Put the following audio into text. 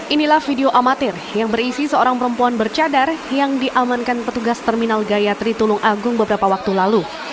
inilah video amatir yang berisi seorang perempuan bercadar yang diamankan petugas terminal gaya tritulung agung beberapa waktu lalu